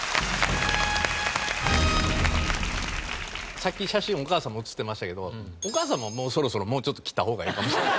さっき写真お母さんも写ってましたけどお母さんももうそろそろもうちょっと切った方がええかもしれない。